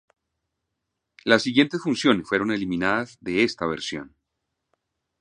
Las siguientes funciones fueron eliminadas de esta versión.